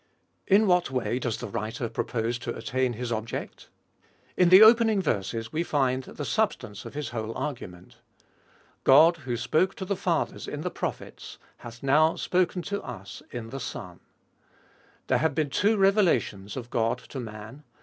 In what way does the writer propose to attain his object ? In the opening verses we find the substance of his whole argu ment. God, who spoke to the fathers in the prophets, hath now spoken to us in the Son. There have been two revelations of God to man.